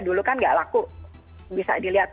dulu kan gak laku bisa dilihat